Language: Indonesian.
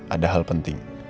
ada hal penting